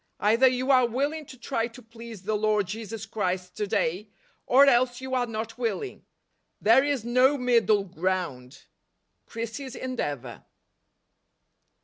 Either you are willing to try to please the Lord Jesus Christ to day, or else you are not willing. There is no middle ground." Chrissy's Endeavor.